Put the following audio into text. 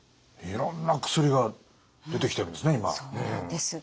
いろんな薬が出てきてるんですね